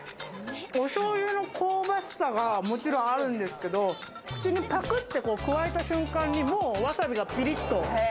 お醤油の香ばしさがもちろんあるんですけど、口にパクってくわえた瞬間に、もう、わさびがピリッと。